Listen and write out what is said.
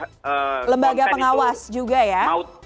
lembaga pengawas juga ya